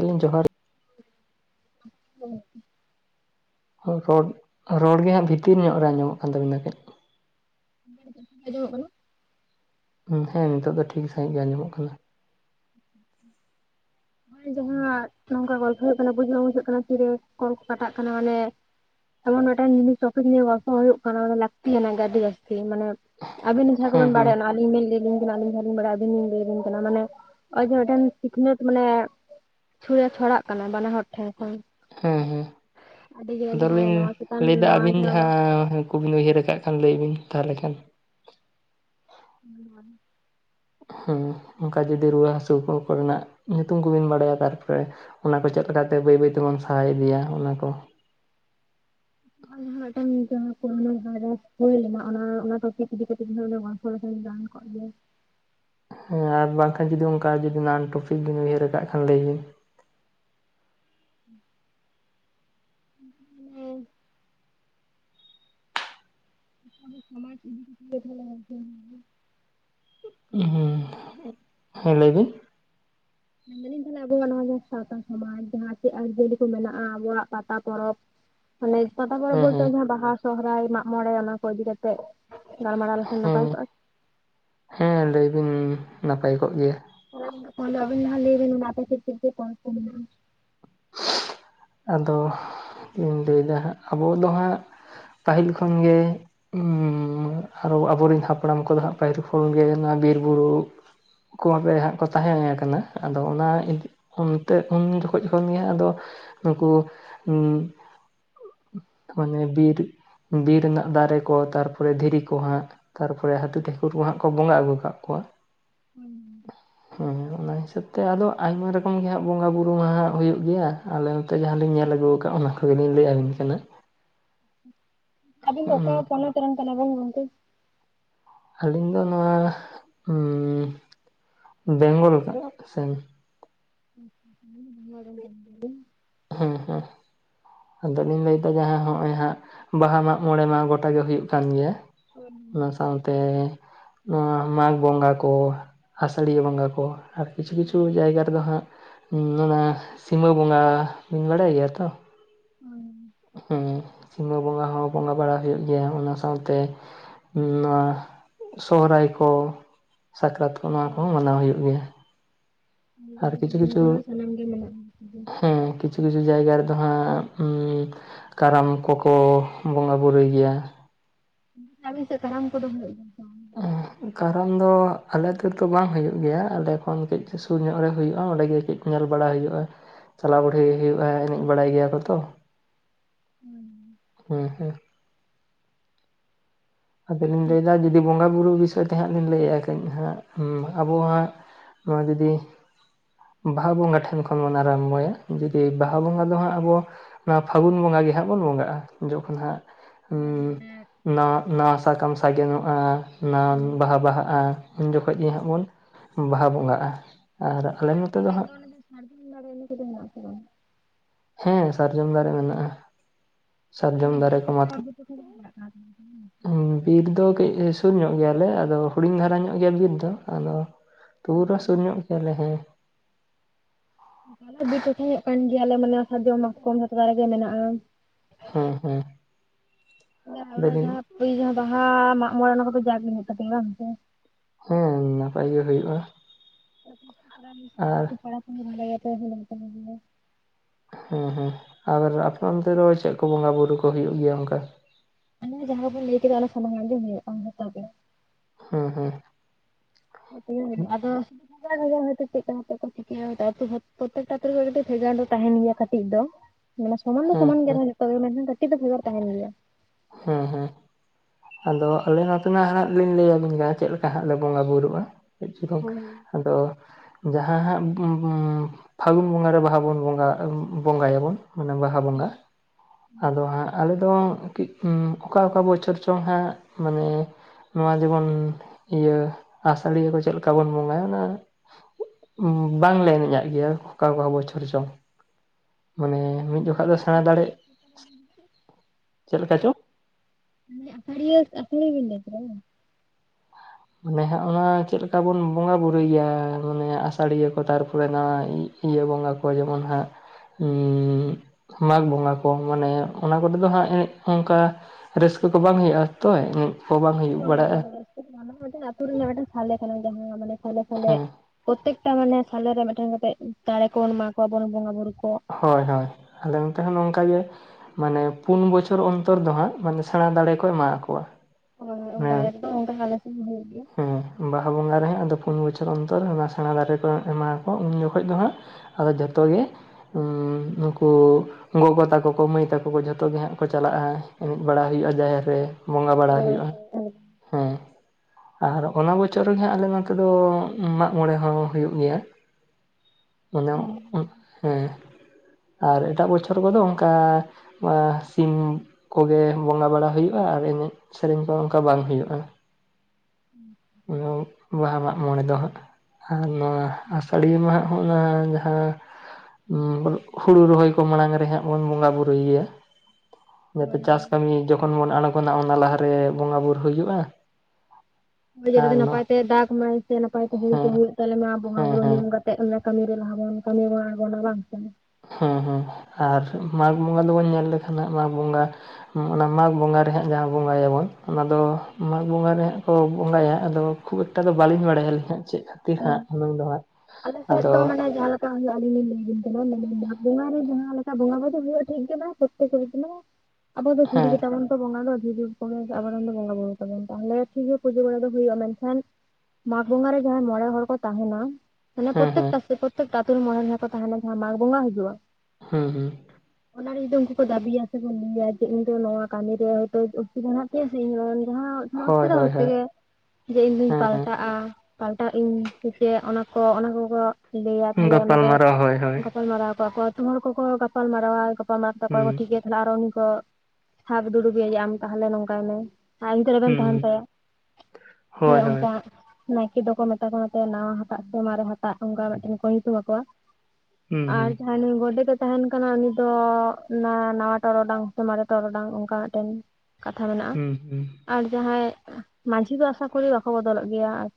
ᱤᱧ ᱡᱚᱦᱟᱨ [unintelligible] ᱨᱚᱲ ᱨᱚᱲ ᱜᱮ ᱦᱟᱸᱜ ᱵᱷᱤᱛᱤᱨ ᱧᱚᱜ ᱨᱮ ᱟᱸᱡᱚᱢᱚᱜ ᱠᱟᱱ ᱛᱟᱵᱤᱱᱟ ᱠᱟᱹᱡ ᱾ [inaudible] ᱟᱸᱡᱚᱢᱚᱜ ᱠᱟᱱᱟ ᱾ ᱦᱮᱸ ᱱᱤᱛᱚᱜ ᱫᱚ ᱴᱷᱤᱠ ᱥᱟᱺᱦᱤᱡ ᱜᱮ ᱟᱸᱡᱚᱢᱚᱜ ᱠᱟᱱᱟ ᱾ ᱱᱚᱜ-ᱚᱭ ᱡᱟᱦᱟᱸ ᱱᱚᱝᱠᱟ ᱜᱚᱞᱯᱚ ᱦᱩᱭᱩᱜ ᱠᱟᱱᱟ ᱵᱩᱡ ᱵᱟᱝ ᱵᱩᱡᱷᱟᱹᱜ ᱠᱟᱱᱟ ᱛᱤᱨᱮ ᱠᱚᱞ ᱠᱚ ᱠᱟᱴᱟᱜ ᱠᱟᱱᱟ ᱢᱟᱱᱮ ᱮᱢᱚᱱ ᱢᱤᱫᱴᱟᱝ ᱡᱤᱱᱤᱥ ᱴᱚᱯᱷᱤᱠ ᱱᱤᱭᱟᱹ ᱜᱚᱞᱯᱚ ᱦᱩᱭᱩᱜ ᱠᱟᱱᱟ ᱞᱟᱹᱠᱛᱤᱭᱟᱱᱟᱝ ᱜᱮ ᱟᱹᱰᱤ ᱡᱟᱹᱥᱛᱤ ᱢᱟᱱᱮ ᱟᱵᱤᱱ ᱡᱟᱦᱟᱸ ᱦᱮᱸ ᱠᱚᱵᱮᱱ ᱦᱮᱸ ᱵᱟᱲᱟᱭᱟ ᱚᱱᱟ ᱟᱹᱞᱤᱧ ᱞᱤᱧ ᱞᱟᱹᱭ ᱵᱮᱱᱟ ᱾ ᱟᱞᱤᱧ ᱡᱟᱦᱟᱸ ᱞᱤᱧ ᱵᱟᱲᱟᱭᱟ ᱟᱹᱵᱤᱱ ᱞᱤᱧ ᱞᱟᱹᱭ ᱟᱵᱤᱱ ᱠᱟᱱᱟ ᱢᱟᱱᱮ ᱚᱜ-ᱚᱭ ᱡᱮ ᱢᱤᱫᱴᱮᱱ ᱥᱤᱠᱷᱱᱟᱹᱛ ᱢᱟᱱᱮ ᱪᱷᱩᱭᱮ ᱪᱷᱚᱲᱟᱜ ᱠᱟᱱᱟ ᱵᱟᱱᱟ ᱦᱚᱲ ᱴᱷᱮᱱ ᱠᱷᱚᱱ ᱾ ᱦᱮᱸ ᱦᱮᱸ ᱡᱟᱦᱟᱸᱭ ᱟᱫᱚᱞᱤᱧ ᱱᱚᱣᱟ ᱪᱮᱛᱟᱱ ᱞᱟᱹᱭ ᱮᱫᱟ ᱱᱚᱣᱟ ᱟᱹᱵᱤᱱ ᱡᱟᱦᱟᱸ ᱠᱚᱵᱤᱱ ᱩᱭᱦᱟᱹᱨ ᱟᱠᱟᱜ ᱠᱷᱟᱱ ᱞᱟᱹᱭ ᱵᱤᱱ ᱛᱟᱦᱞᱮ ᱠᱷᱟᱱ [unintelligible] ᱦᱚᱸ ᱚᱝᱠᱟ ᱡᱩᱫᱤ ᱨᱩᱣᱟᱹ ᱦᱟᱹᱥᱩ ᱠᱚ ᱠᱚᱨᱮᱱᱟᱜ ᱧᱩᱛᱩᱢ ᱠᱚᱵᱤᱱ ᱵᱟᱰᱟᱭᱟ ᱛᱟᱨᱯᱚᱨᱮ ᱚᱱᱟ ᱠᱚ ᱪᱮᱫ ᱞᱮᱠᱟᱛᱮ ᱵᱟᱹᱭ ᱵᱟᱹᱭ ᱛᱮᱵᱚᱱ ᱥᱟᱦᱟ ᱤᱫᱤᱭᱟ ᱚᱱᱟ ᱠᱚ ᱾ ᱟᱨ ᱡᱟᱦᱟᱸ ᱢᱤᱫᱴᱟᱝ ᱡᱟᱦᱟᱸ ᱠᱳᱨᱳᱱᱟ ᱵᱷᱟᱭᱨᱟᱥ ᱦᱩᱭ ᱞᱮᱱᱟ ᱚᱱᱟ ᱚᱱᱟ ᱴᱚᱯᱤᱠ ᱤᱫᱤ ᱠᱟᱛᱮ ᱜᱮᱦᱟᱸᱜ [unintelligible] ᱛᱚᱵᱮ ᱠᱷᱟᱱ ᱜᱟᱱ ᱠᱚᱜ ᱜᱮᱭᱟ᱾ ᱦᱮᱸ ᱟᱨ ᱵᱟᱝᱠᱷᱟᱱ ᱡᱩᱫᱤ ᱚᱝᱠᱟ ᱡᱩᱫᱤ ᱱᱟᱣᱟᱱ ᱴᱚᱯᱤᱠ ᱵᱤᱱ ᱩᱭᱦᱟᱹᱨ ᱠᱟᱜ ᱠᱷᱟᱱ ᱞᱟᱹᱭ ᱵᱤᱱ᱾ [unintelligible] ᱚᱠᱟᱫᱚ ᱥᱚᱢᱟᱡᱽ ᱤᱫᱤ ᱠᱟᱛᱮ [unintelligible] ᱦᱮᱸ ᱦᱮᱸ ᱞᱟᱹᱭᱵᱤᱱ᱾ ᱢᱮᱱ ᱫᱟᱞᱤᱧ ᱛᱟᱦᱞᱮ ᱟᱵᱚᱣᱟᱜ ᱱᱚᱣᱟ ᱥᱟᱶᱛᱟ ᱥᱚᱢᱟᱡᱽ ᱡᱟᱦᱟᱸ ᱛᱮ ᱟᱹᱨᱤᱪᱟᱹᱞᱤ ᱠᱚ ᱢᱮᱱᱟᱜ-ᱟ ᱟᱵᱚᱣᱟᱜ ᱯᱟᱛᱟ ᱯᱚᱨᱚᱵᱼᱼ ᱢᱟᱱᱮ ᱯᱟᱛᱟ ᱯᱚᱨᱚᱵᱽ ᱦᱮᱸ ᱵᱚᱞᱛᱮ ᱦᱮᱸ ᱡᱟᱦᱟᱸ ᱵᱟᱦᱟ ᱥᱚᱦᱨᱟᱭ ᱢᱟᱜ ᱢᱚᱬᱮ ᱚᱱᱟ ᱠᱚ ᱤᱫᱤ ᱠᱟᱛᱮᱫᱼᱼ ᱜᱟᱞᱢᱟᱨᱟᱣ ᱞᱮᱠᱷᱟᱱ ᱱᱟᱯᱟᱭ ᱦᱮᱸ ᱠᱚᱜ-ᱟ ᱦᱮᱸ ᱞᱟᱹᱭ ᱵᱤᱱ ᱱᱟᱯᱟᱭ ᱠᱚᱜ ᱜᱮᱭᱟ᱾ [unintelligible] ᱯᱳᱭᱞᱳ ᱟᱵᱤᱱ ᱞᱟᱦᱟ ᱞᱟᱹᱭᱵᱤᱱ ᱚᱱᱟ ᱟᱯᱮᱥᱮᱫ ᱪᱮᱫ ᱪᱮᱫ ᱯᱚᱨᱚᱯ ᱠᱚ ᱢᱮᱱᱟᱜ-ᱟ᱾ ᱟᱫᱚ ᱤᱧ ᱞᱟᱹᱭ ᱫᱟ ᱦᱟᱸᱜ ᱟᱵᱚ ᱫᱚ ᱦᱟᱸᱜᱼᱼ ᱯᱟᱹᱦᱤᱞ ᱠᱷᱚᱱ ᱜᱮ᱾ ᱟᱨᱚ ᱟᱵᱚᱨᱤᱱ ᱦᱟᱯᱲᱟᱢ ᱠᱚᱫᱚ ᱦᱟᱸᱜ ᱯᱟᱹᱦᱤᱞ ᱠᱷᱚᱱ ᱜᱮ ᱚᱱᱟ ᱵᱤᱨᱵᱩᱨᱩᱼᱼ ᱠᱚ ᱵᱮ ᱦᱟᱸᱜ ᱠᱚ ᱛᱟᱦᱮᱸ ᱠᱟᱱᱟ ᱟᱫᱚ ᱚᱱᱟ ᱤᱫᱤ ᱚᱱᱛᱮ ᱩᱱ ᱡᱚᱠᱷᱚᱡᱼᱼ ᱠᱷᱚᱱ ᱜᱮᱦᱟᱜ ᱟᱫᱚ ᱱᱩᱠᱩ ᱢᱟᱱᱮ ᱵᱤᱨᱼᱼ ᱵᱤᱨ ᱨᱮᱱᱟᱜ ᱫᱟᱨᱮ ᱠᱚ ᱛᱟᱨᱯᱚᱨᱮ ᱫᱷᱤᱨᱤ ᱠᱚ ᱦᱟᱸᱜ᱾ ᱛᱟᱨᱯᱚᱨᱮ ᱦᱟᱹᱛᱤ ᱴᱷᱟᱹᱠᱩᱨ ᱠᱚ ᱦᱟᱸᱜ ᱠᱚ ᱵᱚᱸᱜᱟ ᱟᱹᱜᱩ ᱠᱟᱜ ᱠᱚᱣᱟ᱾ ᱦᱩᱸ᱾ ᱦᱮᱸ ᱚᱱᱟ ᱦᱤᱥᱟᱹᱵ ᱛᱮ ᱟᱫᱚ ᱟᱭᱢᱟ ᱨᱚᱠᱚᱢ ᱜᱮ ᱦᱟᱸᱜ ᱵᱚᱸᱜᱟ ᱵᱩᱨᱩ ᱢᱟ ᱦᱟᱸᱜ᱾ ᱦᱩᱭᱩᱜ ᱜᱮᱭᱟ ᱟᱞᱮ ᱱᱚᱛᱮ ᱡᱟᱦᱟᱸᱞᱤᱧ ᱧᱮᱞ ᱟᱹᱜᱩ ᱠᱟᱜ ᱚᱱᱟ ᱠᱚᱜᱮᱞᱤᱧ ᱞᱟᱹᱭᱟᱹᱵᱤᱱ ᱠᱟᱱᱟ᱾ ᱟᱹᱵᱤᱱ ᱫᱚ ᱚᱠᱚᱭ ᱯᱚᱱᱚᱛ ᱨᱮᱱ ᱠᱟᱱᱟᱵᱤᱱ ᱜᱚᱝᱠᱮ? ᱟᱹᱞᱤᱧ ᱫᱚ ᱱᱚᱣᱟ ᱦᱩᱸ ᱵᱮᱝᱜᱚᱞ ᱠᱟ ᱥᱮᱱ᱾ ᱟᱪᱷᱟ ᱟᱹᱞᱤᱧ ᱦᱚᱸ ᱵᱮᱝᱜᱚᱞ ᱨᱮᱱ ᱠᱟᱱ ᱜᱮᱭᱟᱞᱤᱧ᱾ ᱦᱮᱸ ᱦᱮᱸ᱾ ᱟᱫᱚᱞᱤᱧ ᱞᱟᱹᱭ ᱫᱟ ᱡᱟᱦᱟᱸ ᱦᱚᱸᱜ-ᱚᱭ ᱦᱟᱸᱜ ᱵᱟᱦᱟ ᱢᱟᱜ ᱢᱚᱬᱮ ᱢᱟ ᱜᱚᱴᱟ ᱜᱮ ᱦᱩᱭᱩᱜ ᱠᱟᱱ ᱜᱮᱭᱟ᱾ ᱚᱱᱟ ᱥᱟᱶᱛᱮᱼᱼ ᱱᱚᱣᱟ ᱢᱟᱜᱽ ᱵᱚᱸᱜᱟ ᱠᱚ ᱟᱥᱟᱲᱤᱭᱟᱹ ᱵᱚᱸᱜᱟ ᱠᱚ ᱟᱨ ᱠᱤᱪᱷᱩ ᱠᱤᱪᱷᱩ ᱡᱟᱭᱜᱟ ᱨᱮᱫᱚ ᱦᱟᱸᱜᱼᱼ ᱦᱩᱸ ᱱᱚᱱᱟ ᱥᱤᱢᱟᱹ ᱵᱚᱸᱜᱟ ᱵᱤᱱ ᱵᱟᱰᱟᱭ ᱜᱮᱭᱟ ᱛᱚ᱾ ᱦᱳᱭ᱾ ᱦᱮᱸ ᱥᱤᱸᱢᱟᱹ ᱵᱚᱸᱜᱟ ᱦᱚᱸ ᱵᱚᱸᱜᱟ ᱵᱟᱲᱟ ᱦᱩᱭᱩᱜ ᱜᱮᱭᱟ ᱚᱱᱟ ᱥᱟᱶᱛᱮᱼᱼ ᱱᱚᱣᱟ ᱥᱚᱦᱨᱟᱭ ᱠᱚ ᱥᱟᱠᱨᱟᱛ ᱠᱚ ᱱᱚᱣᱟ ᱠᱚᱦᱚᱸ ᱢᱟᱱᱟᱣ ᱦᱩᱭᱩᱜ ᱜᱮᱭᱟ᱾ ᱦᱳᱭ ᱟᱨ ᱟᱵᱚ ᱠᱤᱪᱷᱩ ᱥᱟᱱᱛᱟᱲ ᱠᱤᱪᱷᱩᱼᱼ ᱦᱚᱯᱚᱱᱟᱜ ᱢᱟ ᱥᱟᱱᱟᱢ ᱜᱮ ᱢᱮᱱᱟᱜᱼᱟ ᱦᱮᱸ ᱠᱤᱪᱷᱩ ᱠᱤᱪᱷᱩ ᱡᱟᱭᱜᱟ ᱨᱮᱫᱚ ᱦᱟᱸᱜ ᱩᱸᱼᱼ ᱠᱟᱨᱟᱢ ᱠᱚᱠᱚ ᱵᱚᱸᱜᱟ ᱵᱩᱨᱩᱭ ᱜᱮᱭᱟ᱾ ᱟᱵᱤᱱ ᱥᱮᱫ ᱠᱟᱨᱟᱢ ᱠᱚᱫᱚ ᱦᱩᱭᱩᱜ ᱜᱮᱭᱟ᱾ ᱵᱟᱝ? ᱦᱮ᱾ ᱠᱟᱨᱚᱱ ᱫᱚ ᱟᱞᱮ ᱟᱛᱩ ᱨᱮᱫᱚ ᱵᱟᱝ ᱦᱩᱭᱩᱜ ᱜᱮᱭᱟ ᱟᱞᱮ ᱠᱷᱚᱱ ᱠᱟᱹᱡ ᱥᱩᱨ ᱧᱚᱜ ᱨᱮ ᱦᱩᱭᱩᱜ-ᱟ ᱚᱸᱰᱮᱜᱮ ᱠᱟᱹᱡᱼᱼ ᱧᱮᱞ ᱵᱟᱲᱟᱭ ᱦᱩᱭᱩᱜ-ᱟ ᱪᱟᱞᱟᱣ ᱵᱩᱰᱦᱤ ᱦᱩᱭᱩᱜ-ᱟ ᱮᱱᱮᱡ ᱵᱟᱲᱟᱭ ᱜᱮᱭᱟ ᱠᱚ ᱛᱚᱼᱼ ᱦᱮᱸ ᱦᱮᱸ᱾ ᱟᱫᱚᱞᱤᱧ ᱞᱟᱹᱭᱫᱟ ᱡᱩᱫᱤ ᱵᱚᱸᱜᱟ ᱵᱩᱨᱩ ᱵᱤᱥᱚᱭ ᱛᱮ ᱦᱟᱸᱜ ᱞᱤᱧ ᱞᱟᱹᱭᱮᱜ-ᱟ ᱠᱟᱹᱡ ᱦᱟᱸᱜ ᱩᱸ ᱟᱵᱚ ᱦᱟᱸᱜᱼᱼ ᱱᱚᱣᱟ ᱡᱚᱫᱤ ᱵᱟᱦᱟ ᱵᱚᱸᱜᱟ ᱴᱷᱮᱱ ᱠᱷᱚᱱ ᱵᱚᱱ ᱟᱨᱟᱢ ᱵᱷᱚᱭᱟᱼᱼ ᱡᱩᱫᱤ ᱵᱟᱦᱟ ᱦᱳᱭ ᱵᱚᱸᱜᱟ ᱦᱳᱭ ᱫᱚ ᱦᱟᱸᱜ ᱟᱵᱚ ᱱᱚᱣᱟ ᱯᱷᱟᱹᱜᱩᱱ ᱵᱚᱸᱜᱟ ᱜᱮ ᱦᱟᱸᱜ ᱵᱚᱱ ᱵᱚᱸᱜᱟᱜ-ᱟ ᱡᱚᱠᱷᱚᱱ ᱦᱟᱸᱜᱼᱼ ᱦᱚᱭ ᱢᱟᱱᱮᱼᱼ ᱱᱟᱣᱟ ᱱᱟᱣᱟ ᱥᱟᱠᱟᱢ ᱥᱟᱜᱮᱱᱚᱜ-ᱟ ᱱᱟᱣᱟ ᱦᱳᱭ ᱵᱟᱦᱟ ᱵᱟᱦᱟᱜ-ᱟ ᱩᱱ ᱡᱚᱠᱷᱚᱡ ᱜᱮ ᱦᱳᱭ ᱦᱟᱸᱜ ᱵᱚᱱ᱾ ᱵᱟᱦᱟ ᱵᱚᱸᱜᱟᱜ-ᱟ ᱟᱨ ᱟᱞᱮ ᱟᱯᱮ ᱱᱚᱛᱮ ᱫᱚ ᱥᱮᱫ ᱦᱟᱸᱜ ᱚᱱᱮ ᱡᱮ ᱥᱟᱨᱡᱚᱢ ᱫᱟᱨᱮ ᱚᱱᱟ ᱠᱚ ᱫᱚ ᱢᱮᱱᱟᱜ ᱟᱥᱮ ᱵᱟᱝ? ᱦᱮᱸ ᱥᱟᱨᱡᱚᱢ ᱫᱟᱨᱮ ᱢᱮᱱᱟᱜᱼᱟ᱾ ᱚᱱᱟ ᱥᱟᱨᱡᱚᱢ ᱫᱟᱨᱮ ᱵᱤᱨ ᱠᱚ ᱢᱟ ᱴᱚᱴᱷᱟ [unintelligible] ᱵᱤᱨ ᱫᱚ ᱠᱟᱹᱡᱞᱮ‌ ᱥᱩᱨ ᱧᱚᱜ ᱜᱮᱭᱟᱞᱮ ᱟᱫᱚ ᱦᱩᱰᱤᱧ ᱫᱷᱟᱨᱟ ᱧᱚᱜ ᱜᱮᱭᱟ ᱵᱤᱨ ᱫᱚ ᱟᱫᱚ ᱛᱚᱵᱩᱹ ᱨᱮᱦᱚᱸ ᱵᱟᱝ? ᱥᱩᱨ ᱧᱚᱜ ᱜᱮᱭᱟᱞᱮ ᱦᱮᱸ᱾ ᱢᱟᱱᱮ ᱵᱤᱨ ᱴᱟᱴᱷᱟᱧᱚᱜ ᱠᱟᱱ ᱜᱮᱭᱟᱞᱮ ᱢᱟᱱᱮ ᱥᱟᱨᱡᱚᱢ ᱢᱟᱛᱠᱚᱢ ᱡᱷᱚᱛᱚ ᱫᱟᱨᱮ ᱜᱮ ᱢᱮᱱᱟᱜ-ᱟ᱾ ᱦᱮᱸ ᱦᱮᱸ ᱚᱱᱟ ᱟᱫᱚᱞᱤᱧ ᱡᱟᱦᱟᱸ᱾ ᱦᱳᱭ ᱡᱟᱦᱟᱸ ᱵᱟᱦᱟ ᱢᱟᱜ ᱢᱚᱬᱮ ᱚᱱᱟ ᱠᱚᱫᱚ ᱡᱟᱜ ᱜᱮ ᱦᱩᱭᱩᱜ ᱛᱟᱯᱮᱭᱟ ᱵᱟᱝ ᱥᱮ? ᱦᱮᱸ ᱱᱟᱯᱟᱭ ᱜᱮ ᱦᱩᱭᱩᱜ-ᱟ᱾ [unintelligible] ᱦᱮᱸ ᱦᱮᱸ ᱟᱨ ᱟᱯᱮ ᱚᱱᱛᱮ ᱫᱚ ᱪᱮᱫ ᱠᱚ ᱵᱚᱸᱜᱟ ᱵᱩᱨᱩ ᱠᱚ ᱦᱩᱭᱩᱜ ᱜᱮᱭᱟ ᱚᱱᱠᱟ? ᱟᱞᱮ ᱦᱚᱸ ᱡᱟᱦᱟᱸ ᱵᱚᱱ ᱞᱟᱹᱭ ᱠᱮᱫᱟ ᱚᱱᱟ ᱥᱟᱱᱟᱢᱟᱜ ᱟᱡᱚᱢ ᱞ ᱦᱩᱭᱩᱜ-ᱟ ᱡᱷᱚᱛᱚ ᱜᱮ ᱾ ᱦᱩᱸ ᱦᱩᱸ᱾ ᱮ ᱛᱮᱧᱟᱝ ᱟᱫᱚ ᱚᱱᱠᱟᱜᱮ ᱦᱩᱭᱩᱜ-ᱟ ᱦᱚᱭᱛᱳ ᱪᱮᱫ ᱠᱟ ᱠᱟᱛᱮᱜ ᱠᱚ ᱪᱤᱠᱟᱹᱭᱟ ᱟᱛᱩ ᱦᱚᱲ, ᱯᱨᱚᱛᱮᱠᱴᱟ ᱟᱛᱩ ᱨᱮᱜᱮ ᱵᱷᱮᱜᱟᱨ ᱫᱚ ᱛᱟᱦᱮᱸᱱ ᱜᱮᱭᱟ ᱠᱟᱹᱴᱤᱡ ᱫᱚ᱾ ᱢᱟᱱᱮ ᱥᱚᱢᱟᱱ ᱫᱚ ᱦᱮᱸ ᱥᱚᱢᱟᱱ ᱜᱮ ᱦᱮᱸ ᱨᱮᱦᱚᱸ ᱡᱚᱛᱚ ᱜᱮ ᱢᱮᱱᱠᱷᱟᱱ ᱠᱟᱹᱴᱤᱡ ᱫᱚ ᱵᱷᱮᱜᱟᱨ ᱛᱟᱦᱮᱸᱱ ᱜᱮᱭᱟ᱾ ᱦᱮᱸ ᱦᱮᱸ᱾ ᱟᱫᱚ ᱟᱞᱮ ᱱᱚᱛᱮᱱᱟᱜ ᱦᱟᱸᱜ ᱞᱤᱧ ᱞᱟᱹᱭ ᱟᱹᱵᱤᱱ ᱠᱟᱱᱟ ᱪᱮᱫ ᱞᱮᱠᱟ ᱦᱟᱸᱜ ᱞᱮ ᱵᱚᱸᱜᱟ ᱵᱩᱨᱩᱜ-ᱟ ᱪᱮᱫ ᱪᱚᱝ ᱦᱳᱭ ᱟᱫᱚ, ᱡᱟᱦᱟᱸ ᱦᱟᱸᱜ ᱯᱷᱟᱜᱩᱱ ᱵᱚᱸᱜᱟ ᱨᱮ ᱵᱟᱦᱟ ᱵᱚᱱ ᱵᱚᱸᱜᱟ ᱵᱚᱸᱜᱟ ᱭᱟᱵᱚᱱ᱾ ᱢᱟᱱᱮ ᱵᱟᱦᱟ ᱵᱚᱸᱜᱟ᱾ ᱦᱳᱭ ᱟᱫᱚ ᱦᱟᱸᱜ ᱟᱞᱮᱫᱚ ᱠᱤᱡ ᱚᱠᱟ ᱚᱠᱟ ᱵᱚᱪᱷᱚᱨ ᱪᱚ ᱟᱫᱚ ᱦᱟᱸᱜ ᱢᱟᱱᱮ ᱱᱚᱣᱟ ᱡᱮᱢᱚᱱ ᱤᱭᱟᱹ ᱟᱥᱟᱲᱤᱭᱟᱹ ᱠᱚ ᱪᱮᱫ ᱞᱮᱠᱟ ᱵᱚᱱ ᱵᱚᱸᱜᱟᱭᱟ ᱚᱱᱟ ᱵᱟᱝᱞᱮ ᱮᱱᱮᱡ ᱟᱜ ᱜᱮᱭᱟ, ᱚᱠᱟ ᱚᱠᱟ ᱵᱚᱪᱷᱚᱨ ᱪᱚᱝ᱾ ᱢᱟᱱᱮ ᱢᱤᱫ ᱡᱚᱠᱷᱟᱡ ᱫᱚ ᱟᱹᱲᱤᱭᱟᱹ ᱥᱮᱬᱟ ᱫᱟᱲᱮ, ᱟᱹᱥᱟᱹᱲᱤᱭᱟᱹ ᱪᱮᱫ ᱞᱮᱠᱟ ᱪᱚ᱾ ᱢᱟᱱᱮ ᱟᱥᱟᱲᱤᱭᱟᱹ ᱟᱥᱟᱲᱤᱭᱟᱹ ᱵᱮᱱ ᱞᱟᱹᱭ ᱠᱮᱫᱟ ᱵᱟᱝ? ᱢᱟᱱᱮ ᱦᱟᱸᱜ ᱚᱱᱟ ᱪᱮᱫ ᱞᱮᱠᱟ ᱵᱚᱱ ᱵᱚᱸᱜᱟ ᱵᱩᱨᱩᱭᱟ ᱢᱟᱱᱮ ᱟᱥᱟᱲᱤᱭᱟᱹ ᱠᱚ ᱛᱟᱨ ᱯᱚᱨᱮ ᱱᱚᱣᱟ ᱤᱭᱟᱹ ᱵᱚᱸᱜᱟ ᱠᱚ ᱡᱮᱢᱚᱱ ᱦᱟᱸᱜ ᱩᱻ ᱢᱟᱜᱽ ᱵᱚᱸᱜᱟ ᱠᱚ ᱢᱟᱱᱮ ᱚᱱᱟ ᱠᱚᱨᱮ ᱫᱚ ᱦᱟᱸᱜ ᱚᱱᱠᱟ ᱨᱟᱹᱥᱠᱟᱹ ᱠᱚ ᱵᱟᱝ ᱦᱩᱭᱩᱜ-ᱟ ᱛᱚ ᱮᱱᱮᱡ ᱠᱚ ᱵᱟᱝ ᱦᱩᱭᱩᱜ ᱦᱳᱭ ᱵᱟᱲᱟᱜ-ᱟ᱾ [inaudible] ᱟᱹᱛᱩ ᱨᱮᱱᱟᱜ ᱢᱤᱫᱴᱮᱱ ᱥᱟᱞᱮ ᱠᱟᱱᱟ ᱡᱟᱦᱟᱸ ᱢᱟᱱᱮ ᱥᱟᱞᱮ ᱥᱟᱞᱮ ᱦᱮᱸ ᱯᱨᱚᱛᱮᱠᱴᱟ ᱢᱟᱱᱮ ᱥᱟᱞᱮ ᱨᱮ ᱢᱤᱫᱴᱮᱱ ᱠᱟᱛᱮᱜ ᱫᱟᱲᱮ ᱠᱚ ᱵᱚᱱ ᱮᱢᱟ ᱠᱚᱣᱟ ᱵᱚᱱ ᱵᱚᱸᱜᱟ ᱵᱩᱨᱩ ᱠᱚ᱾ ᱦᱳᱭ ᱦᱳᱭ, ᱟᱞᱮ ᱱᱚᱛᱮ ᱦᱚᱸ ᱱᱚᱝᱠᱟᱜᱮ ᱾ ᱢᱟᱱᱮ ᱯᱩᱱ ᱵᱚᱪᱷᱚᱨ ᱚᱱᱛᱚᱨ ᱫᱚ ᱦᱟᱸᱜ ᱢᱟᱱᱮ ᱥᱮᱬᱟ ᱫᱟᱲᱮ ᱠᱚ ᱮᱢᱟᱣ ᱠᱚᱣᱟ᱾ ᱦᱳᱭ ᱦᱳᱭ ᱚᱱᱠᱟ ᱢᱟᱱᱮ ᱜᱮ, ᱱᱮᱥ ᱦᱚᱸ ᱚᱝᱠᱟ ᱦᱟᱞᱮ ᱥᱮᱡ ᱦᱚᱸ ᱦᱩᱭᱩᱜ ᱜᱮᱭᱟ ᱾ ᱦᱮᱸ ᱵᱟᱦᱟ ᱵᱚᱸᱜᱟ ᱨᱮ ᱦᱟᱸᱜ ᱟᱫᱚ ᱯᱩᱱ ᱵᱚᱪᱷᱚᱨ ᱚᱱᱛᱚᱨ ᱚᱱᱟ ᱥᱮᱬᱟ ᱫᱟᱨᱮ ᱠᱚ ᱮᱢᱟᱣᱟᱠᱚ ᱩᱱ ᱡᱚᱠᱷᱚᱡ ᱫᱚ ᱦᱟᱸᱜ ᱟᱫᱚ ᱡᱷᱚᱛᱚ ᱜᱮ ᱩᱻ ᱩᱱᱠᱩ ᱜᱚᱜᱚ ᱛᱟᱠᱚ ᱠᱚ ᱢᱟᱹᱭ ᱛᱟᱠᱚ ᱠᱚ ᱡᱚᱛᱚ ᱜᱮ ᱦᱟᱸᱜ ᱠᱚ ᱪᱟᱞᱟᱜ-ᱟ ᱮᱱᱮᱡ ᱵᱟᱲᱟ ᱦᱩᱭᱩᱜ-ᱟ ᱡᱟᱦᱮᱨ ᱨᱮ᱾ ᱵᱚᱸᱜᱟ ᱵᱟᱲᱟ ᱦᱳᱭ ᱦᱩᱭᱩᱜ-ᱟ᱾ [inaudible] ᱟᱨ ᱚᱱᱟ ᱵᱚᱪᱷᱚᱨ ᱨᱮᱜᱮ ᱦᱟᱸᱜ ᱟᱞᱮ ᱱᱚᱛᱮ ᱫᱚ ᱢᱟᱜ ᱢᱚᱬᱮ ᱦᱚᱸ ᱦᱩᱭᱩᱜ ᱜᱮᱭᱟ᱾ ᱢᱟᱱᱮ ᱦᱳᱭ ᱚᱸ ᱦᱮᱸ᱾ ᱟᱨ ᱮᱴᱟᱜ ᱵᱚᱪᱷᱚᱨ ᱠᱚᱫᱚ ᱚᱱᱠᱟ ᱟ ᱥᱤᱢ ᱠᱚᱜᱮ ᱵᱚᱸᱜᱟ ᱵᱟᱲᱟ ᱦᱩᱭᱩᱜᱼᱟ ᱟᱨ ᱮᱱᱮᱡ ᱥᱮᱨᱮᱧ ᱠᱚ ᱚᱱᱠᱟ ᱵᱟᱝ ᱦᱩᱭᱩᱜᱼᱟ᱾ ᱚᱱᱟ ᱵᱟᱦᱟ ᱢᱟᱜ ᱢᱚᱬᱮ ᱫᱚ ᱦᱟᱸᱜ ᱟᱨ ᱱᱚᱣᱟ ᱟᱥᱟᱲᱤᱭᱟᱹ ᱢᱟᱦᱟᱜ ᱦᱚᱸ ᱚᱱᱟ ᱡᱟᱦᱟᱸ ᱦᱩᱲᱩ ᱨᱚᱦᱚᱭ ᱠᱚ ᱢᱟᱲᱟᱝ ᱨᱮᱦᱟᱸᱜ ᱵᱚᱱ ᱵᱚᱸᱜᱟ ᱵᱩᱨᱩᱭ ᱤᱭᱟ᱾ ᱡᱟᱛᱮ ᱦᱳᱭ ᱪᱟᱥ ᱦᱳᱭ ᱠᱟᱹᱢᱤ ᱡᱚᱠᱷᱚᱱ ᱵᱚᱱ ᱟᱬᱜᱚᱱᱟ ᱚᱱᱟ ᱞᱟᱦᱟᱨᱮ ᱵᱚᱸᱜᱟ ᱵᱩᱨᱩ ᱦᱩᱭᱩᱜᱼᱟ᱾ ᱦᱳᱭ ᱡᱟᱛᱮ ᱟᱨ ᱛᱮ ᱱᱚᱣᱟ ᱱᱟᱯᱟᱭ ᱛᱮ ᱫᱟᱜ ᱢᱟᱭ ᱥᱮ ᱱᱟᱯᱟᱭ ᱠᱚ ᱦᱩᱲᱩ ᱠᱚ ᱦᱮᱸ ᱦᱩᱭᱩᱜ ᱛᱟᱞᱮ ᱢᱟ ᱵᱚᱸᱜᱟ ᱦᱮᱸ ᱵᱩᱨᱩ ᱦᱮᱸ ᱧᱩᱢ ᱠᱟ ᱛᱮᱜ ᱚᱱᱟ ᱠᱟᱹᱢᱤ ᱨᱮ ᱞᱟᱦᱟ ᱵᱚᱱ ᱠᱟᱹᱢᱤ ᱢᱟ ᱟᱬᱵᱚᱱᱟ ᱵᱟᱝ ᱥᱮ ᱦᱮᱸ ᱦᱮᱸ ᱟᱨ ᱢᱟᱜᱽ ᱵᱚᱸᱜᱟ ᱫᱚᱵᱚᱱ ᱧᱮᱞ ᱞᱮᱠᱷᱟᱱ ᱢᱟᱜᱽ ᱵᱚᱸᱜᱟ ᱚᱱᱟ ᱢᱟᱜᱽ ᱵᱚᱸᱜᱟ ᱨᱮ ᱦᱟᱸᱜ ᱡᱟᱦᱟᱸ ᱵᱚᱸᱜᱟᱭᱟᱵᱚᱱ ᱚᱱᱟ ᱫᱚ ᱢᱟᱜᱽ ᱵᱚᱸᱜᱟ ᱨᱮ ᱦᱟᱸᱜ ᱠᱚ ᱵᱚᱸᱜᱟᱭᱟ᱾ ᱟᱫᱚ ᱠᱷᱩᱵ ᱮᱠᱴᱟ ᱫᱚ ᱵᱟᱹᱞᱤᱧ ᱵᱟᱲᱟᱭᱟᱞᱤᱧ ᱦᱟᱸᱜ ᱪᱮᱫ ᱠᱷᱟᱹᱛᱤᱨ ᱦᱟᱸᱜ ᱦᱩᱱᱟᱹᱝ ᱫᱚ ᱦᱟᱸᱜ, ᱟᱫᱚ ᱚ ᱟᱹᱞᱤᱧ ᱞᱤᱧ [unintelligible] ᱠᱟᱱᱟᱱᱟ ᱵᱚᱸᱜᱟ ᱨᱮ ᱡᱟᱦᱟᱸ ᱞᱮᱠᱟ ᱵᱚᱸᱜᱟ ᱠᱚᱫᱚ ᱦᱩᱭᱩᱜᱼᱟ ᱴᱷᱤᱠ ᱛᱮ ᱵᱟᱝ ᱥᱚᱛᱷ ᱠᱚ᱾ [inaudible] ᱟᱵᱚ ᱫᱚ ᱫᱷᱤᱨᱤ ᱦᱮᱸ ᱜᱮ ᱛᱟᱵᱚᱱ᱾ ᱚ ᱵᱚᱸᱜᱟ ᱫᱚ ᱟᱹᱰᱚᱠ [unintelligible] ᱟᱵᱟᱨᱮᱱ ᱫᱚ ᱵᱚᱸᱜᱟ ᱵᱩᱨᱩ ᱛᱟᱵᱮᱱ ᱛᱟᱦᱚᱞᱮ ᱴᱷᱤᱠ ᱜᱮ ᱯᱩᱡᱟᱹ ᱵᱟᱲᱟ ᱫᱚ ᱦᱩᱭᱩᱜᱼᱟ᱾ ᱢᱮᱱᱠᱷᱟᱱ ᱢᱟᱜ ᱵᱚᱸᱜᱟ ᱨᱮ ᱡᱟᱦᱟᱸ [unintelligible] ᱢᱚᱬᱮ ᱦᱚᱲ ᱠᱚ ᱛᱟᱦᱮᱱᱟ ᱢᱟᱱᱮ ᱦᱮᱸ ᱦᱮᱸ ᱦᱮᱸ ᱯᱨᱚᱛᱛᱮᱠᱴᱟ ᱯᱨᱚᱛᱛᱮᱠᱴᱛ ᱢᱚᱬᱮ ᱡᱟᱦᱟᱸ ᱠᱚ ᱛᱟᱦᱮᱱᱟ ᱡᱟᱦᱟᱸ ᱢᱟᱜᱽ ᱵᱚᱸᱜᱟ ᱦᱤᱡᱩᱜᱼᱟ᱾ ᱦᱩᱸ ᱦᱩᱸ ᱚᱱᱟ ᱨᱮ ᱡᱩᱫᱤ ᱫᱚ ᱩᱱᱠᱩ ᱠᱚ ᱫᱟᱹᱵᱤᱭᱟ ᱥᱮᱠᱚ ᱞᱟᱹᱭᱟ ᱡᱮ ᱤᱧ ᱫᱚ ᱱᱚᱣᱟ ᱠᱟᱹᱢᱤ ᱨᱮ ᱦᱚᱭᱛᱚ ᱚᱥᱩᱵᱤᱫᱟ ᱦᱮᱱᱟᱜ ᱛᱤᱧᱟᱹ ᱥᱮ ᱤᱧ ᱡᱟᱦᱟᱸ ᱦᱳᱭ ᱚᱥᱩᱵᱤᱫᱟ ᱦᱳᱭ ᱦᱳᱭ ᱦᱚᱭᱛᱮᱜᱮ ᱡᱮ ᱤᱧ ᱫᱩᱧ ᱦᱮᱸ ᱦᱮᱸ ᱯᱟᱞᱴᱟᱜᱼᱟ᱾ ᱮᱴᱟᱜ ᱤᱧ ᱥᱮᱥᱮᱫ ᱚᱱᱟ ᱠᱚ ᱚᱱᱟ ᱠᱚᱠᱚ ᱞᱟᱹᱭᱟ ᱛᱟᱦᱚᱞᱮ ᱚᱱᱟᱨᱮ ᱜᱟᱯᱟᱞᱢᱟᱨᱟᱣ ᱦᱳᱭ ᱦᱳᱭ ᱜᱟᱯᱟᱞ ᱢᱟᱨᱟᱨᱟᱣ ᱠᱚᱜᱣᱟ ᱠᱚ ᱟᱛᱳ ᱦᱚᱲ ᱠᱚᱠᱚ ᱜᱟᱯᱟᱞ ᱢᱟᱨᱟᱣᱣᱟ, ᱜᱟᱯᱟᱞ ᱢᱟᱨᱟᱣᱟ ᱠᱟᱛᱮ ᱚᱠᱚᱜ ᱠᱚ ᱠᱚ ᱦᱩᱸ ᱴᱷᱤᱠ ᱜᱮ ᱛᱟᱦᱮᱞᱮ ᱟᱨ ᱩᱱᱤ ᱠᱚ ᱥᱟᱵ ᱫᱩᱲᱩᱵᱮᱭᱟ ᱡᱮ ᱟᱢ ᱛᱟᱦᱚᱞᱮ ᱱᱚᱝᱠᱟᱭ ᱢᱮ᱾ ᱟᱨ [unintelligible] ᱨᱮᱵᱮᱱ ᱛᱟᱦᱮᱱ ᱦᱩᱸ ᱛᱟᱭᱟ᱾ ᱦᱳᱭ ᱚᱝᱠᱟ ᱚᱱᱟᱜᱮ᱾ ᱫᱚ ᱠᱚ ᱢᱮᱛᱟ ᱠᱚ ᱠᱟᱱᱟ ᱛᱮ ᱱᱟᱣᱟ ᱦᱟᱴᱟᱜ ᱥᱮ ᱢᱟᱨᱮ ᱦᱟᱴᱟᱜ ᱚᱱᱠᱟ ᱢᱤᱫᱴᱮᱱ ᱠᱚ ᱧᱩᱛᱩᱢᱛᱩ ᱟᱠᱚᱣᱟ᱾ ᱦᱩᱸ ᱟᱨ ᱦᱩᱸ ᱡᱟᱦᱟᱸ ᱱᱩᱭ ᱜᱚᱰᱮᱛ ᱛᱟᱦᱮᱱ ᱠᱟᱱᱟ ᱩᱱᱤ ᱫᱚ ᱚᱱᱟ ᱱᱟᱣᱟ ᱴᱚᱨᱚᱰᱟᱝ ᱥᱮ ᱢᱟᱨᱮ ᱴᱚᱨᱚᱰᱟᱝ ᱚᱱᱠᱟ ᱢᱤᱫᱴᱮᱱ᱾ ᱠᱟᱛᱷᱟ ᱢᱮᱱᱟᱜᱼᱟ᱾ ᱦᱩᱸ ᱦᱩᱸ ᱟᱨ ᱡᱟᱦᱟᱸᱭ ᱢᱟᱺᱡᱷᱤ ᱫᱚ ᱟᱥᱟ ᱠᱚᱨᱤ ᱵᱟᱠᱚ ᱵᱚᱫᱚᱞᱚᱜ ᱜᱮᱭᱟ ᱟᱨ᱾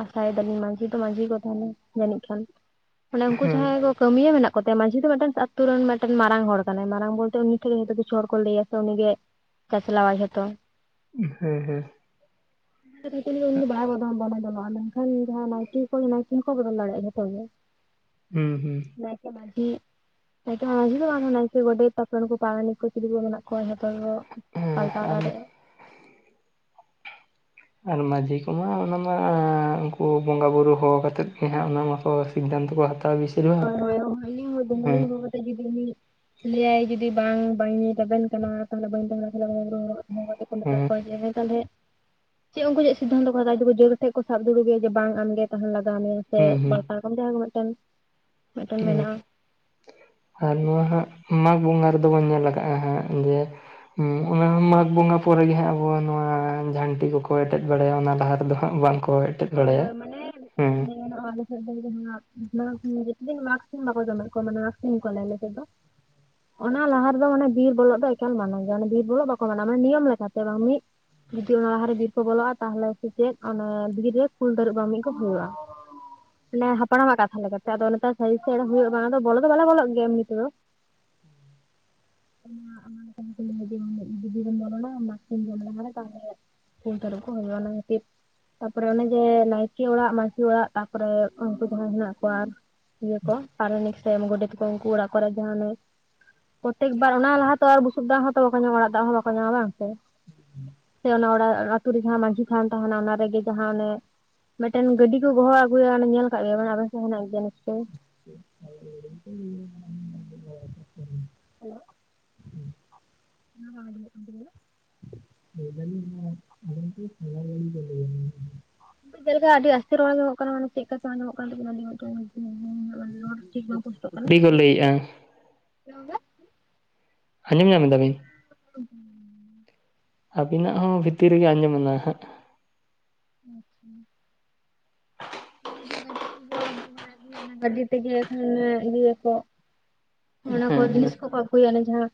ᱟᱥᱟᱭᱮᱫᱟᱞᱤᱧ ᱢᱟᱺᱡᱷᱤ ᱛᱚ ᱢᱟᱺᱡᱷᱤ ᱠᱚ ᱛᱟᱦᱮᱱᱟ, ᱡᱟᱹᱱᱤᱡ ᱠᱷᱟᱱ ᱢᱟᱱᱮ ᱩᱱᱠᱩ ᱦᱮᱸ ᱡᱟᱦᱟᱸᱭ ᱠᱚ ᱠᱟᱹᱢᱭᱟᱹ ᱢᱮᱱᱟᱜ ᱠᱚᱛᱟᱭᱟ ᱢᱟᱹᱡᱷᱤ ᱫᱚ ᱢᱤᱫᱴᱮᱱ ᱟᱛᱩᱨ ᱨᱮᱱ ᱢᱤᱫᱴᱮᱱ ᱢᱟᱨᱟᱝ ᱦᱚᱲ ᱠᱟᱱᱟᱭ ᱢᱟᱨᱟᱝ ᱵᱚᱞᱛᱮ ᱩᱱᱤ ᱴᱷᱮᱱ ᱡᱚᱛᱚ ᱠᱤᱪᱷᱩ ᱦᱚᱲ ᱠᱚ ᱞᱟᱹᱭᱟ ᱥᱮ ᱩᱱᱤᱜᱮ᱾ ᱪᱟ ᱪᱟᱞᱟᱣᱟᱭ ᱡᱷᱚᱛᱚ᱾ ᱦᱮᱸ ᱦᱮᱸ [unintelligible] ᱜᱮ ᱩᱱᱤ ᱫᱚ ᱵᱟᱭ [unintelligible] ᱢᱮᱱᱠᱷᱟᱱ ᱡᱟᱦᱟᱸ ᱱᱟᱭᱠᱮ ᱠᱚ ᱱᱟᱭᱠᱮ ᱦᱚᱸ ᱠᱚ ᱵᱚᱫᱚᱞ ᱫᱟᱲᱮᱭᱟᱜᱼᱟ ᱡᱷᱚᱛᱚ ᱜᱮ᱾ ᱦᱩᱸ ᱦᱩᱸ ᱱᱟᱭᱠᱮ ᱢᱟᱺᱡᱷᱤ ᱮᱠᱮᱱ ᱢᱟᱺᱡᱷᱤ ᱫᱚ ᱵᱟᱝᱟ ᱱᱟᱭᱠᱮ ᱜᱚᱰᱮᱛ ᱛᱟᱯᱚᱨᱠᱩ ᱯᱟᱨᱟᱱᱤᱠ ᱠᱚ ᱪᱮᱞᱤ ᱠᱚ ᱢᱮᱱᱟᱜ ᱠᱚᱣᱟ ᱡᱚᱛᱚ ᱜᱤᱠᱚ᱾ ᱯᱟᱞᱴᱟᱣ ᱦᱮᱸ ᱫᱟᱲᱮᱭᱟ᱾ ᱟᱨ ᱢᱟᱹᱡᱷᱤ ᱠᱚᱢᱟ ᱚᱱᱟᱢᱟ ᱩᱱᱠᱩ ᱵᱚᱸᱜᱟ ᱵᱩᱨᱩ ᱦᱚᱦᱚᱛᱮᱫ ᱜᱮ ᱦᱟᱸᱜ ᱚᱱᱟ ᱢᱟᱠᱚ᱾ ᱥᱤᱫᱽᱷᱟᱱᱛᱚ ᱦᱟᱛᱟᱣᱟ ᱵᱮᱥᱤ ᱦᱳᱭ ᱦᱳᱭ ᱚᱱᱟᱜᱤ [unintelligible] ᱫᱚᱢᱮ [unintelligible] [unintelligible] ᱞᱟᱹᱭᱭᱟᱭ ᱡᱩᱫᱤ ᱵᱟᱝ ᱵᱟᱹᱧ ᱛᱟᱵᱮᱱ ᱠᱟᱱᱟ ᱛᱟᱦᱚᱞᱮ ᱵᱟᱹᱧ [unintelligible] ᱚᱱᱟᱠᱟ ᱦᱮᱸ ᱠᱚ ᱡᱮ ᱛᱟᱦᱚᱞᱮ ᱪᱮᱫ ᱩᱱᱠᱩ ᱪᱮᱫ ᱥᱤᱫᱽᱷᱟᱱᱛᱚ ᱠᱚ ᱦᱟᱛᱟᱣ ᱠᱮᱫᱟ ᱡᱳᱨ ᱴᱷᱮᱱ ᱠᱚ ᱥᱟᱵ ᱫᱩᱲᱩᱵᱮᱭᱟ ᱡᱮ ᱵᱟᱝ ᱟᱢᱜᱮ ᱛᱟᱦᱮᱱ ᱞᱟᱜᱟᱣ ᱢᱮᱭᱟ ᱥᱮ ᱦᱩᱸ ᱦᱩᱸ [unintelligible] [inaudible] ᱢᱤᱫᱴᱮᱱ ᱢᱮᱱᱟᱜᱼᱟ [inaudible] ᱟᱨ ᱱᱚᱣᱟ ᱦᱟᱸᱜ ᱢᱟᱜᱽ ᱵᱚᱸᱜᱟ ᱨᱮᱫᱚ ᱵᱚᱱ ᱧᱮᱞ ᱟᱠᱟᱟᱜᱼᱟ ᱦᱟᱸᱜ ᱡᱮ ᱚᱱᱟ ᱢᱟᱜᱽ ᱵᱚᱸᱜᱟ ᱯᱚᱨᱮᱜ ᱜᱮ ᱦᱟᱸᱜ ᱟᱵᱚ ᱱᱚᱣᱟ ᱡᱷᱟᱱᱴᱤ ᱠᱚᱠᱚ ᱮᱴᱮᱫ ᱵᱟᱲᱟᱭᱟ ᱚᱱᱟ ᱞᱟᱦᱟ ᱨᱮᱫᱚ ᱵᱟᱠᱚ ᱮᱴᱮᱫ ᱦᱳᱭ ᱵᱟᱲᱟᱭᱟ ᱦᱳᱭ ᱢᱟᱱᱮ ᱦᱮᱸ ᱾ [inaudible] ᱚᱱᱟ ᱞᱟᱦᱟ ᱨᱮᱫᱚ ᱢᱟᱱᱮ ᱵᱤᱨ ᱵᱚᱞᱚᱜ ᱫᱚ ᱮᱠᱟᱞ ᱢᱟᱱᱟ ᱜᱮᱭᱟ ᱵᱤᱨ ᱵᱚᱞᱚᱜ ᱵᱟᱠᱚ ᱢᱟᱱᱟᱣᱟ ᱢᱟᱱᱮ ᱱᱤᱭᱚᱢ ᱞᱮᱠᱟᱛᱮ ᱵᱟᱝ ᱢᱤᱫ ᱡᱩᱫᱤ ᱚᱱᱟ ᱞᱟᱦᱟᱨᱮ ᱵᱤᱨ ᱠᱚ ᱵᱚᱞᱚᱜᱼᱟ ᱛᱟᱦᱚᱞᱮ ᱥᱮ ᱪᱮᱫ ᱚᱱᱟ ᱵᱤᱨ ᱨᱮ ᱠᱩᱞ ᱛᱟᱹᱨᱩᱵ [inaudible] ᱠᱚ ᱦᱩᱭᱩᱜᱼᱟ ᱢᱟᱱᱮ ᱦᱟᱯᱲᱟᱢᱟᱜ ᱠᱟᱛᱷᱟ ᱞᱮᱠᱟᱛᱮ ᱟᱫᱚ ᱱᱮᱛᱟᱨ ᱥᱟᱹᱨᱤ ᱥᱮ ᱦᱩᱭᱩᱜ ᱵᱚᱞᱚ ᱫᱚ ᱵᱟᱞᱮ ᱵᱚᱞᱚᱜ ᱜᱮᱭᱟ ᱱᱤᱛᱚᱜ ᱫᱚ᱾ [unintelligible] [inaudible] ᱠᱩᱞ ᱛᱟᱹᱨᱩᱯ ᱠᱚ ᱦᱩᱭᱩᱜᱼᱟ ᱚᱱᱟ ᱠᱷᱟᱹᱛᱤᱨ ᱛᱟᱯᱨᱮ ᱚᱱᱮ ᱡᱮ ᱱᱟᱭᱠᱮ ᱚᱲᱟᱜ ᱢᱟᱺᱡᱷᱤ ᱚᱲᱟᱜ ᱛᱟᱯᱚᱨᱮ ᱩᱱᱠᱩ ᱡᱟᱦᱟᱸᱭ ᱦᱮᱱᱟᱜ ᱠᱚᱣᱟ ᱤᱭᱟᱹ ᱠᱚ ᱯᱟᱨᱟᱱᱤᱠ ᱥᱮ ᱜᱳᱰᱮᱛ ᱠᱚ ᱩᱱᱠᱩ ᱚᱲᱟᱜ ᱠᱚᱨᱮ ᱡᱟᱦᱟ ᱢᱮ ᱯᱨᱚᱛᱮᱠ ᱵᱟᱨ ᱚᱱᱟ ᱞᱟᱦᱟ ᱛᱚ ᱟᱨ ᱵᱩᱥᱩᱵ ᱫᱟᱜ ᱦᱚᱸ ᱛᱚ ᱵᱟᱠᱚ ᱧᱟᱢᱟ ᱚᱲᱟᱜ ᱫᱟᱵ ᱦᱚᱸ ᱵᱟᱠᱚ ᱧᱟᱢᱟ ᱵᱟᱝ ᱥᱮ ᱾ ᱥᱮ ᱚᱱᱟ ᱚᱲᱟᱜ ᱟᱛᱩ ᱨᱮ ᱡᱟᱦᱟᱸ ᱢᱟᱺᱡᱷᱤ ᱛᱷᱟᱱ ᱛᱟᱦᱮᱱᱟ ᱚᱱᱟ ᱨᱮᱜᱮ ᱡᱟᱦᱟᱸ ᱚᱱᱮ ᱢᱤᱫᱴᱮᱱ ᱜᱟᱹᱰᱤ ᱠᱚ ᱜᱚᱦᱚᱲ ᱟᱹᱜᱩᱭᱟ ᱚᱱᱮ ᱧᱮᱞ ᱠᱟᱜ ᱜᱮᱭᱟ ᱵᱮᱱ ᱟᱵᱮᱱ ᱥᱮᱫ ᱦᱮᱱᱟᱜ ᱜᱮᱭᱟ ᱱᱤᱥᱪᱚᱭ ᱾ [unintelligible] [inaudible] [inaudible] [inaudible] [inaudible] ᱪᱮᱫ ᱞᱮᱠᱟ ᱟᱹᱰᱤ ᱟᱥᱛᱮ ᱨᱚᱲ ᱧᱟᱢᱚᱜ ᱠᱟᱱᱟ ᱢᱟᱱᱮ ᱪᱮᱫ ᱠᱟ ᱪᱚᱝ ᱟᱡᱚᱢᱚᱜ ᱠᱟᱱ ᱛᱟᱵᱤᱱᱟ [inaudible] [unintelligible] ᱠᱚ ᱞᱟᱹᱭᱮ-ᱟ ᱾ [unintelligible] ᱟᱸᱡᱚᱢ ᱧᱟᱢ ᱫᱟᱵᱤᱱ ᱾ [unintelligible] ᱟᱹᱵᱤᱱᱟᱜ ᱦᱚᱸ ᱵᱷᱤᱛᱤᱨ ᱨᱮᱜᱮ ᱟᱸᱡᱚᱢ ᱮᱱᱟ ᱦᱟᱸᱜ ᱾ [unintelligible] [inaudible] ᱜᱟᱹᱰᱤ ᱛᱮᱜᱮ ᱦᱟᱠᱷᱟᱱ ᱤᱭᱟᱹ ᱟᱠᱚ ᱚᱱᱟ ᱠᱚ ᱦᱮᱸ ᱡᱤᱱᱤᱥ ᱦᱮᱸ ᱠᱚᱠᱚ ᱟᱜᱩᱭᱟ ᱚᱱᱟ ᱡᱟᱦᱟᱸ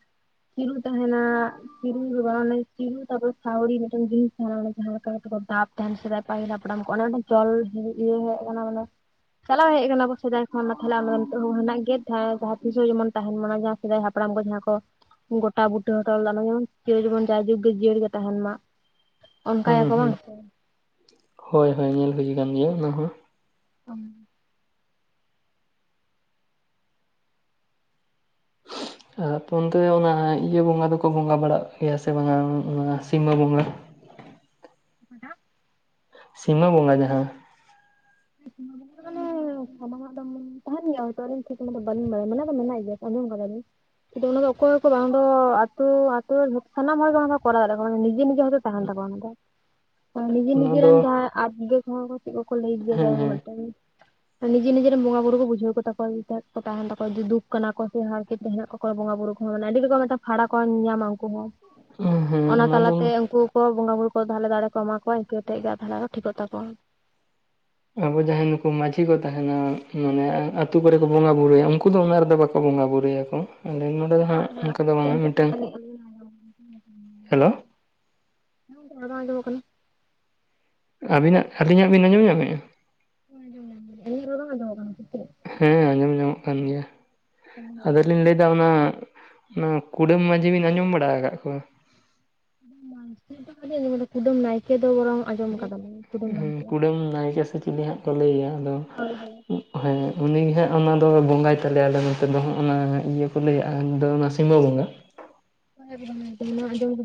ᱧᱩᱨᱩ ᱛᱟᱦᱮᱱᱟ ᱾ ᱪᱤᱨᱩ ᱫᱚ ᱵᱟᱝ ᱚᱱᱮ [inaudible] ᱥᱟᱣᱲᱤ ᱢᱤᱫᱴᱮᱱ ᱡᱤᱱᱤᱥ ᱛᱟᱦᱮᱱᱟ ᱚᱱᱟ ᱡᱟᱦᱟᱸ ᱞᱮᱠᱟ ᱠᱟᱛᱮ ᱠᱚ ᱫᱟᱵᱼᱼ [inaudible] ᱚᱱᱮ ᱡᱚᱞ ᱤᱭᱟᱹ ᱦᱮᱡ ᱠᱟᱱᱟ ᱢᱟᱱᱮ ᱪᱟᱞᱟᱣ ᱦᱮᱡ ᱠᱟᱱᱟ ᱠᱚ ᱥᱮᱫᱟᱭ ᱠᱷᱚᱱ ᱢᱟ ᱛᱟᱦᱞᱮ ᱟᱢ ᱱᱤᱛᱚᱜ ᱦᱚᱸ ᱦᱮᱱᱟᱜ ᱜᱮᱭᱟ ᱡᱟᱦᱟᱸ ᱛᱤᱥ ᱦᱚᱸ ᱡᱮᱢᱚᱱ ᱛᱟᱦᱮᱱ ᱢᱟ᱾ ᱥᱮᱫᱟᱭ ᱦᱟᱯᱲᱟᱢ ᱠᱚ ᱡᱟᱦᱟᱸ ᱠᱚ ᱜᱚᱴᱟ ᱵᱩᱴᱟᱹ ᱦᱚᱴᱚ ᱞᱮᱫᱟ ᱚᱱᱟ ᱡᱮᱚᱱ ᱡᱟᱭ ᱡᱩᱜᱽ ᱜᱮ ᱡᱤᱭᱟᱹᱲ ᱜᱮ ᱛᱟᱦᱮᱱ ᱢᱟ ᱾ ᱦᱩᱸ ᱦᱩᱸ ᱦᱳᱭ ᱦᱳᱭ ᱧᱮᱞ ᱦᱩᱭ ᱠᱟᱱ ᱜᱮᱭᱟ ᱚᱱᱟ ᱦᱚᱸ᱾ [unintelligible] [unintelligible] ᱟᱯᱮ ᱚᱱᱛᱮ ᱚᱱᱟ ᱤᱭᱟᱹ ᱵᱚᱸᱜᱟ ᱫᱚᱠᱚ ᱵᱚᱸᱜᱟ ᱵᱟᱲᱟᱜ ᱜᱮᱭᱟ ᱥᱮ ᱵᱟᱝᱟ ᱚᱱᱟ ᱥᱤᱢᱟᱹ ᱵᱚᱸᱜᱟ? [unintelligible] ᱥᱤᱢᱟᱹ ᱵᱚᱸᱜᱟ ᱡᱟᱦᱟᱸ [unintelligible] [inaudible] ᱠᱤᱱᱛᱩ ᱚᱱᱟ ᱫᱚ ᱚᱠᱚᱭ ᱠᱚ ᱵᱟᱝ ᱫᱚ ᱟᱹᱛᱩ ᱟᱹᱛᱩ ᱥᱟᱱᱟᱢ ᱦᱚᱲ ᱜᱮ ᱚᱱᱟ ᱠᱚᱨᱟᱣ ᱫᱟᱲᱮᱭᱟᱜ ᱟᱠᱚ ᱱᱤᱡᱮ ᱱᱤᱡᱮ ᱛᱟᱦᱮᱱ ᱛᱟᱠᱚᱣᱟ ᱢᱮᱱᱛᱮ ᱾ [inaudible] ᱱᱤᱡᱮ ᱚᱱᱟ ᱱᱤᱡᱮ ᱫᱚ ᱨᱮᱱ ᱡᱟᱦᱟᱸᱭ ᱟᱵᱜᱮ ᱠᱚᱦᱚ ᱠᱚ ᱪᱮᱜ ᱠᱚ ᱠᱚ ᱞᱟᱹᱭ ᱜᱮᱭᱟ ᱦᱮᱸ ᱡᱟᱭ ᱦᱳᱜ ᱦᱮᱸ ᱢᱤᱫᱴᱮᱱ ᱱᱤᱡᱮ ᱱᱤᱡᱮ ᱨᱮᱱ ᱵᱚᱸᱜᱟ ᱵᱩᱨᱩ ᱠᱚ ᱵᱩᱡᱷᱟᱹᱣ ᱠᱚᱛᱟ ᱠᱚᱣᱟ ᱪᱮᱫ ᱠᱚ ᱛᱟᱦᱮᱱ ᱛᱟᱠᱚᱣᱟ ᱡᱮ ᱫᱩᱠ ᱠᱟᱱᱟ ᱠᱚ ᱥᱮ ᱦᱟᱨᱠᱮᱛ ᱦᱮᱱᱟᱜ ᱠᱚᱣᱟ ᱾ ᱚᱠᱚᱭ ᱵᱚᱸᱜᱟ ᱵᱩᱨᱩ ᱠᱚᱦᱚᱸ ᱢᱟᱱᱮ ᱟᱹᱰᱤ ᱨᱚᱠᱚᱢ ᱢᱤᱫᱴᱟᱝ ᱯᱷᱟᱲᱟ ᱠᱚ ᱧᱟᱢᱟ ᱩᱱᱠᱩ ᱦᱚᱸ ᱦᱮᱸ ᱚᱱᱟ ᱫᱚ ᱛᱟᱞᱟᱛᱮ ᱩᱱᱠᱩ ᱚᱠᱚᱭ ᱵᱚᱸᱜᱟ ᱵᱩᱨᱩ ᱠᱚ ᱛᱟᱦᱞᱮ ᱫᱟᱲᱮ ᱠᱚ ᱮᱢᱟ ᱠᱚᱣᱟ ᱤᱱᱠᱟᱹ ᱠᱟᱛᱮ ᱜᱮ ᱫᱷᱟᱨᱮ ᱠᱚ [inaudible] ᱴᱷᱤᱠᱚᱜ ᱛᱟᱠᱚᱣᱟ ᱾ ᱟᱵᱚ ᱡᱟᱦᱟᱸᱭ ᱱᱩᱠᱩ ᱢᱟᱺᱡᱷᱤ ᱠᱚ ᱛᱟᱦᱮᱱᱟ ᱢᱟᱱᱮ ᱟᱛᱩ ᱠᱚᱨᱮ ᱠᱚ ᱵᱚᱸᱜᱟ ᱵᱩᱨᱩᱭᱟ ᱩᱱᱠᱩ ᱫᱚ ᱚᱱᱟ ᱨᱮᱫᱚ ᱵᱟ ᱠᱚ ᱵᱚᱸᱜᱟ ᱵᱩᱨᱩᱭᱟ ᱠᱚ ᱾ [unintelligible] ᱦᱳᱭ ᱦᱳᱭ ᱦᱮᱞᱳ [unintelligible] ᱨᱚᱲ ᱵᱟᱝ ᱟᱡᱚᱢᱚᱜ ᱠᱟᱱᱟ ᱾ ᱟᱹᱵᱤᱱᱟᱜ ᱟᱹᱞᱤᱧᱟᱜ ᱵᱤᱱ ᱟᱸᱡᱚᱢ ᱧᱟᱢᱮ-ᱟ ᱾ ᱟᱸᱡᱚᱢ ᱧᱟᱢ ᱜᱮ ᱟᱞᱤᱧᱟᱜ ᱨᱚᱲ ᱵᱟᱝ ᱟᱸᱡᱚᱢᱚᱜ ᱠᱟᱱᱟ ᱥᱮ ᱪᱮᱜ ᱾ ᱦᱮᱸ ᱟᱸᱡᱚᱢ ᱧᱟᱢᱚᱜ ᱠᱟᱱ ᱜᱮᱭᱟ ᱟᱫᱚᱞᱤᱧ ᱞᱟᱹᱭ ᱮᱫᱟ ᱚᱱᱟ ᱚᱱᱟ ᱠᱩᱰᱟᱹᱢ ᱢᱟᱺᱡᱷᱤ ᱵᱤᱱ ᱟᱸᱡᱚᱢ ᱵᱟᱲᱟ ᱠᱟᱜ ᱠᱚᱣᱟ ᱾ [unintelligible] ᱠᱩᱫᱩᱢ ᱱᱟᱭᱠᱮ ᱫᱚ ᱵᱚᱨᱚᱝ ᱟᱸᱡᱚᱢ ᱠᱟᱫᱟᱞᱤᱧ ᱠᱩᱰᱟᱹᱢ ᱦᱩᱸ ᱱᱟᱭᱠᱮ ᱠᱩᱰᱟᱹᱢ ᱱᱟᱭᱠᱮ ᱥᱮ ᱪᱤᱞᱤ ᱦᱟᱸᱜ ᱠᱚ ᱞᱟᱹᱭ ᱭᱟ ᱟᱫᱚ ᱾ ᱦᱚᱭ ᱦᱚᱭ ᱦᱮᱸ ᱩᱱᱤᱜᱮ ᱦᱟᱸᱜ ᱚᱱᱟᱫᱚ ᱵᱚᱸᱜᱟᱭ ᱛᱟᱞᱮᱭᱟ ᱟᱞᱮ ᱱᱚᱛᱮ ᱫᱚ ᱦᱟᱸᱜ ᱚᱱᱟ ᱤᱭᱟᱹ ᱠᱚ ᱞᱟᱹᱭᱟ ᱫᱚ ᱚᱱᱟ ᱥᱤᱢᱟᱹ ᱵᱚᱸᱜᱟ ᱾ [unintelligible] ᱟᱸᱡᱚᱢ ᱜᱮ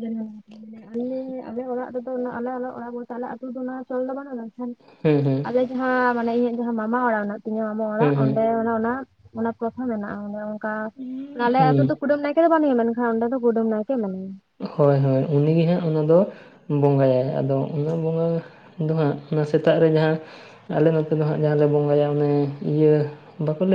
ᱵᱟᱹᱞᱤᱧ [unintelligible] ᱟᱞᱮ ᱟᱞᱮ ᱚᱲᱟᱜ ᱨᱮᱫᱚ ᱟᱞᱮ ᱟᱞᱮ ᱚᱲᱟᱜ ᱦᱚᱲ ᱟᱞᱮ ᱟᱹᱛᱩ ᱫᱚ ᱚᱱᱟ ᱪᱚᱞ ᱫᱚ ᱵᱟᱹᱱᱩᱜ-ᱟ ᱢᱮᱱᱠᱷᱟᱱ ᱦᱮᱸ ᱦᱮᱸ ᱾ ᱚᱸᱰᱮ ᱡᱟᱦᱟᱸ ᱢᱟᱱᱮ ᱤᱧᱟᱹᱜ ᱡᱟᱦᱟᱸ ᱢᱟᱢᱟ ᱚᱲᱟᱜ ᱢᱮᱱᱟᱜ ᱛᱤᱧᱟᱹ ᱢᱟᱢᱟ ᱦᱮᱸ ᱚᱲᱟᱜ ᱦᱮᱸ ᱚᱸᱰᱮ ᱚᱱᱟ ᱚᱱᱟ ᱚᱱᱟ ᱯᱨᱚᱛᱷᱟ ᱢᱮᱱᱟᱜᱼᱟ ᱚᱱᱮ ᱚᱱᱠᱟ ᱟᱞᱮ ᱦᱮᱸ ᱟᱛᱩ ᱫᱚ ᱠᱩᱰᱟᱹᱢ ᱱᱟᱭᱠᱮ ᱫᱚ ᱵᱟᱹᱱᱩᱜᱭᱟ ᱢᱮᱱᱠᱷᱟᱱ ᱚᱸᱰᱮ ᱫᱚ ᱠᱩᱰᱟᱹᱢ ᱱᱟᱭᱠᱮ ᱢᱮᱱᱟᱭᱟ ᱾ ᱦᱳᱭ ᱦᱳᱭ ᱩᱱᱤᱜᱮ ᱦᱟᱸᱜ ᱚᱱᱟ ᱫᱚ ᱾ ᱵᱚᱸᱜᱟᱭᱟᱭ ᱟᱫᱚ ᱚᱱᱟ ᱵᱚᱸᱜᱟ ᱫᱚ ᱦᱟᱸᱜ ᱚᱱᱟ ᱥᱮᱛᱟᱜ ᱨᱮ ᱡᱟᱦᱟᱸ ᱟᱞᱮ ᱱᱚᱛᱮ ᱫᱚ ᱦᱟᱸᱜ ᱡᱟᱦᱟᱸᱞᱮ ᱵᱚᱸᱜᱟᱭᱟ ᱚᱱᱮ ᱤᱭᱟᱹ ᱵᱟᱠᱚᱞᱮ